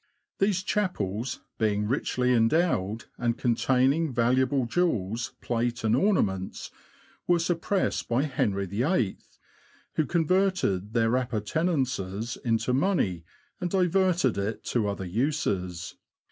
These chapels, being richly endowed, and containing valuable jewels, plate, and ornaments, were suppressed by Henry VIII., who converted their appurtenances into money and diverted it to other uses.